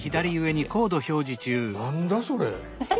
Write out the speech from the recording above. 何だそれ。